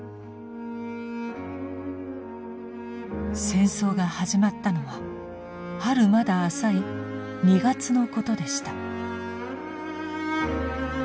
戦争が始まったのは春まだ浅い２月のことでした。